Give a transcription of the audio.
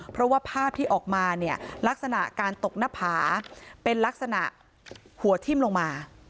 เพราะว่าภาพที่ออกมาเนี่ยลักษณะการตกหน้าผาเป็นลักษณะหัวทิ้มลงมา